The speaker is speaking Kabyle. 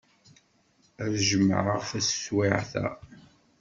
Ad t-jemɛeɣ taswiɛt-a.